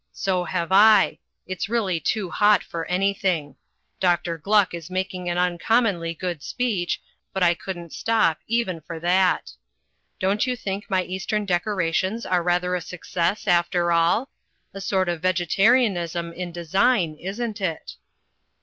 "So have I; it's really too hot for anything. Dr. Gluck is making an uncommonly good speech, but I couldn't stop even for that. Don't you think my eastern decorations are rather a success after all? A sort of Vegetarianism in design, isn't it?"